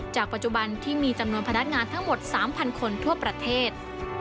ปัจจุบันที่มีจำนวนพนักงานทั้งหมด๓๐๐คนทั่วประเทศ